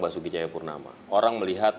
basuki cahayapurnama orang melihat